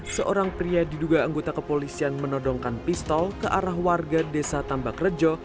seorang pria diduga anggota kepolisian menodongkan pistol ke arah warga desa tambak rejo